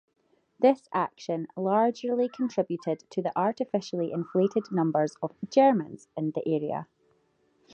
This action largerly contributed to the artificially inflated numbers of "Germans" in the area.